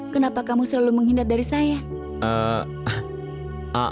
kenapa kamu selalu menghindar dari saya